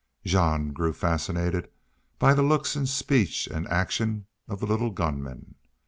Jean grew fascinated by the looks and speech and action of the little gunman.